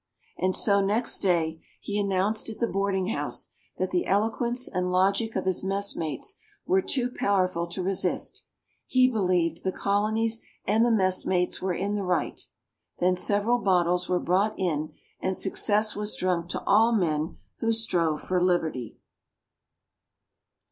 And so, next day, he announced at the boarding house that the eloquence and logic of his messmates were too powerful to resist he believed the Colonies and the messmates were in the right. Then several bottles were brought in, and success was drunk to all men who strove for liberty.